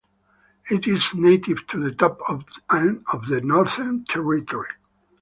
It is native to the top end of the Northern Territory.